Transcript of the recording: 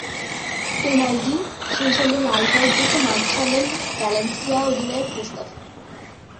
Penalty, সেই সঙ্গে লাল কার্ড দেখে মাঠ ছাড়লেন ভ্যালেন্সিয়া অধিনায়ক মুস্তাফি।